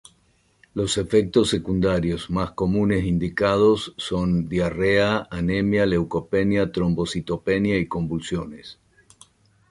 Los efectos secundarios más comunes indicados son diarrea, anemia, leucopenia, trombocitopenia y convulsiones.